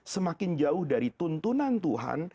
semakin jauh dari tuntunan tuhan